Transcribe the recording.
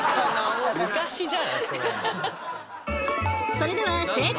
それでは正解！